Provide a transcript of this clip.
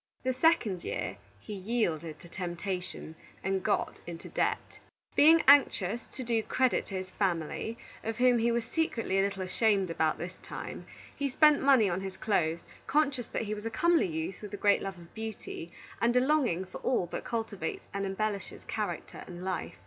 The second year he yielded to temptation, and got into debt. Being anxious to do credit to his family, of whom he was secretly a little ashamed about this time, he spent money on his clothes, conscious that he was a comely youth with a great love of beauty, and a longing for all that cultivates and embellishes character and life.